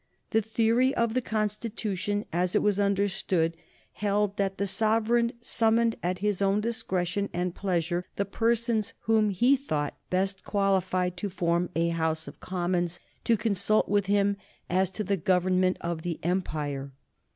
The theory of the Constitution, as it was understood, held that the sovereign summoned at his own discretion and pleasure the persons whom he thought best qualified to form a House of Commons, to consult with him as to the government of the empire.